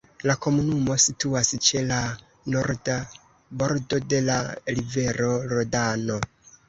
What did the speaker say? La komunumo situas ĉe la norda bordo de la rivero Rodano.